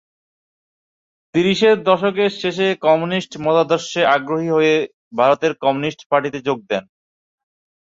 ত্রিশের দশকের শেষে কমিউনিস্ট মতাদর্শে আগ্রহী হয়ে ভারতের কমিউনিস্ট পার্টিতে যোগ দেন।